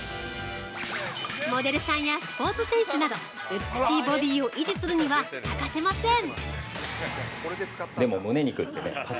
モデルさんやスポーツ選手など美しいボディを維持するには欠かせません！